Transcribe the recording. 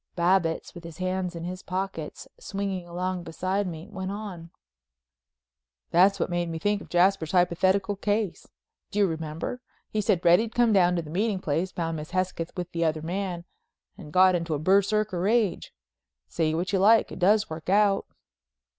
Babbitts, with his hands in his pockets swinging along beside me, went on: "That's what's made me think of Jasper's hypothetical case. Do you remember? He said Reddy'd come down to the meeting place, found Miss Hesketh with the other man and got into a Berserker rage. Say what you like, it does work out."